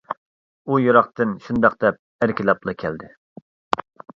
ئۇ يىراقتىن شۇنداق دەپ ئەركىلەپلا كەلدى.